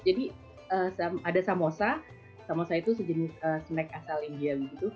jadi ada samosa samosa itu sejenis snack asal india